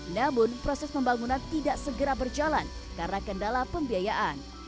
namun proses pembangunan tidak segera berjalan karena kendala pembiayaan